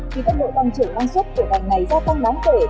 khi tốc độ tăng trưởng năng suất của ngành này gia tăng đáng kể